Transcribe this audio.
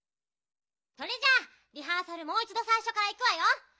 それじゃあリハーサルもういちどさいしょからいくわよ。